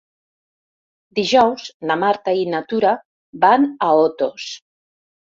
Dijous na Marta i na Tura van a Otos.